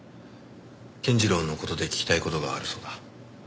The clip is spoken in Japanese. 健次郎の事で聞きたい事があるそうだ。